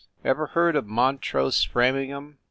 Ever heard of Montrose Framingham?